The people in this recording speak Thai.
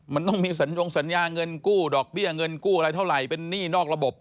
มันต้องมีสัญญงสัญญาเงินกู้ดอกเบี้ยเงินกู้อะไรเท่าไหร่เป็นหนี้นอกระบบ